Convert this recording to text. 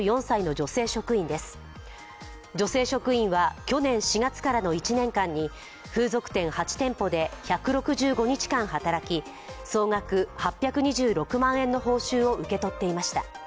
女性職員は、去年４月からの１年間に風俗店８店舗で１６５日間働き総額８２６万円の報酬を受け取っていました。